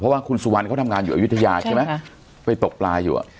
เพราะว่าคุณสุวรรณเขาทำงานอยู่อายุทยาใช่ไหมไปตกปลาอยู่